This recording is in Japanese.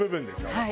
はい。